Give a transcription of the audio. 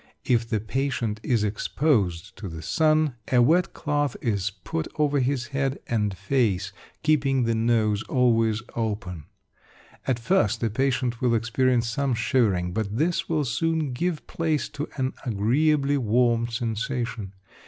If the patient is exposed to the sun, a wet cloth is put over his head and face, keeping the nose always open. At first the patient will experience some shivering, but this will soon give place to an agreeably warm sensation.